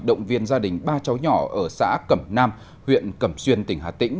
động viên gia đình ba cháu nhỏ ở xã cẩm nam huyện cẩm xuyên tỉnh hà tĩnh